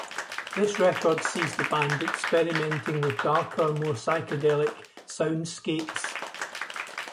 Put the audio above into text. This record sees the band experimenting with darker more psychedelic soundscapes.